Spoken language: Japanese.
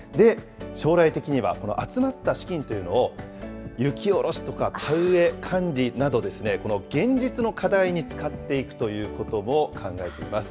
将来的には、集まった資金というのを雪下ろしとか、田植え管理など、現実の課題に使っていくということも考えています。